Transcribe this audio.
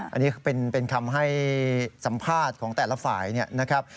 อันนี้เป็นคำให้สัมภาษณ์ของแต่ละฝ่ายนะครับ